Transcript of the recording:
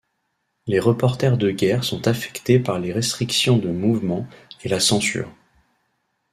Les reporters de guerre sont affectés par les restrictions de mouvements et la censure.